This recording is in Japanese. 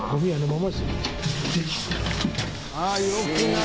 「ああ良くない」